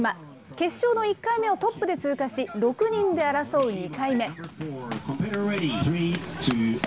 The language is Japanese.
決勝の１回目をトップで通過し、６人で争う２回目。